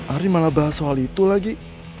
ari malah bahas soal itu lagi